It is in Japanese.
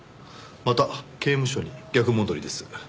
また刑務所に逆戻りです。